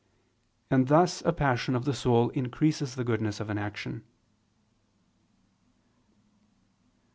And thus a passion of the soul increases the goodness of an action.